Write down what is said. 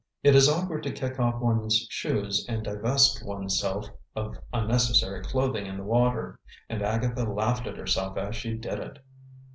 It is awkward to kick off one's shoes and divest oneself of unnecessary clothing in the water, and Agatha laughed at herself as she did it.